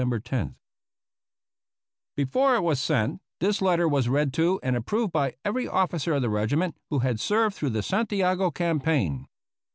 269 APPENDIX B [Before it was sent, this letter was read to and ai^roved by every officer of the regiment who had served through the Santiago campaign.